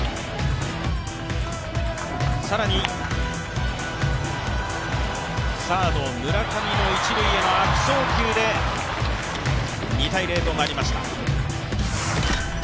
更にサード・村上の一塁への悪送球で２−０となりました。